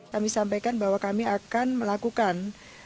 kami sampaikan bahwa kami akan melakukan